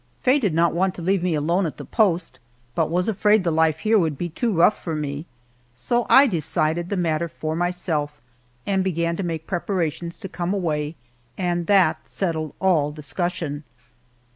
Faye did not want to leave me alone at the post, but was afraid the life here would be too rough for me, so I decided the matter for myself and began to make preparations to come away, and that settled all discussion.